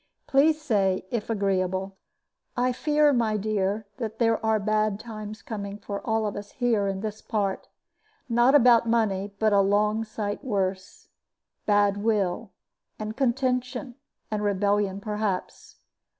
Please say if agreeable. "I fear, my dear, that there are bad times coming for all of us here in this part. Not about money, but a long sight worse; bad will, and contention, and rebellion, perhaps.